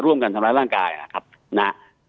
ร่วมการทำร้ายร่างกายนะ